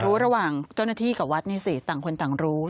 ระหว่างเจ้าหน้าที่กับวัดนี่สิต่างคนต่างรู้